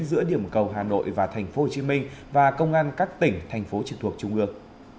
giữa điểm cầu hà nội và tp hcm và công an các tỉnh thành phố trực thuộc trung ương